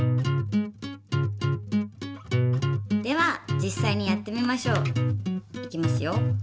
では実際にやってみましょう。いきますよ。